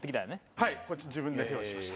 はい自分で用意しました